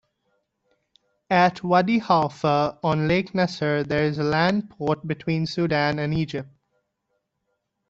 At Wadi Halfa on Lake Nasser there is land port between Sudan and Egypt.